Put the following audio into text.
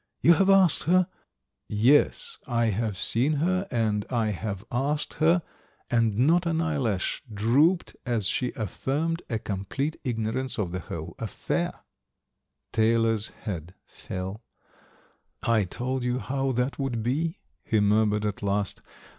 You have asked her " "Yes, I have seen her and I have asked her, and not an eyelash drooped as she affirmed a complete ignorance of the whole affair." Taylor's head fell. "I told you how that would be," he murmured at last.